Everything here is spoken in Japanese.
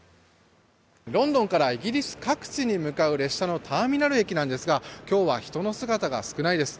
ロンドンからイギリス各地に向かう列車のターミナル駅ですが今日は人の姿が少ないです。